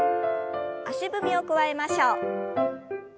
足踏みを加えましょう。